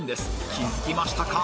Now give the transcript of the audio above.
気づきましたか？